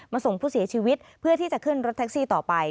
ส่งผู้เสียชีวิตเพื่อที่จะขึ้นรถแท็กซี่ต่อไป